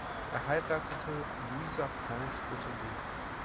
Er heiratete Louisa Frances Boteler.